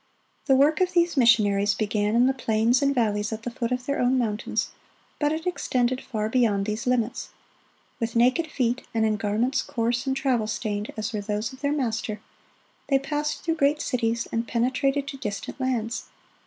The work of these missionaries began in the plains and valleys at the foot of their own mountains, but it extended far beyond these limits. With naked feet and in garments coarse and travel stained as were those of their Master, they passed through great cities, and penetrated to distant lands.